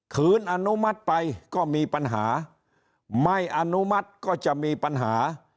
คืนอนุมัติไปก็มีปัญหาไม่อนุมัติก็จะมีปัญหา